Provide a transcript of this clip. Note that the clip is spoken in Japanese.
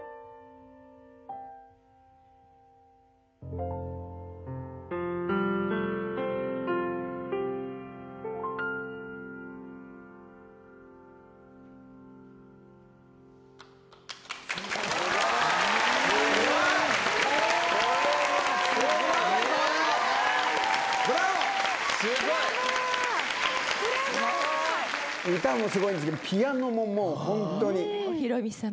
歌もすごいんですけどピアノももうホントに。